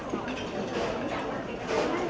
โปรดติดตามต่อไป